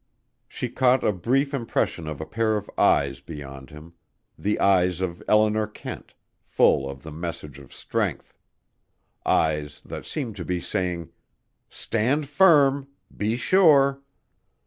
She caught a brief impression of a pair of eyes beyond him: the eyes of Eleanor Kent, full of the message of strength; eyes that seemed to be saying, "Stand firm. Be sure!"